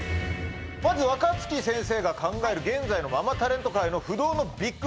まず若槻先生が考える現在のママタレント界の不動のＢＩＧ５